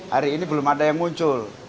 hari ini belum ada yang muncul